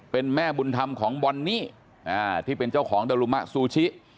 เป็นแม่บุญธรรมของบอนนี่ที่เป็นเจ้าของดารุมะซูชิ